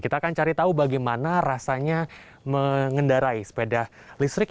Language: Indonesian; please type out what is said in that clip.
kita akan cari tahu bagaimana rasanya mengendarai sepeda listrik